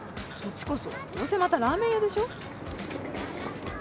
そっちこそどうせまたラーメン屋でしょ？